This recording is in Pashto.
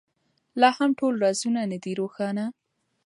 لا هم ټول رازونه نه دي روښانه.